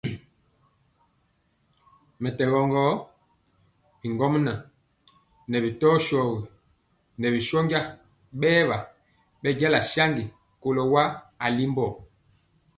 Mɛtɛgɔ gɔ, bigɔmŋa ŋɛɛ bi tɔ shogi ŋɛɛ bi shónja bɛɛwa bɛnja saŋgi kɔlo wa.